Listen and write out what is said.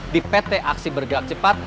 di pt aksi bergerak cepat